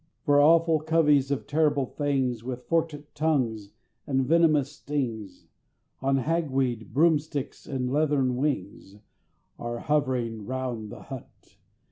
For awful coveys of terrible things, With forked tongues and venomous stings, On hagweed, broomsticks, and leathern wings, Are hovering round the Hut!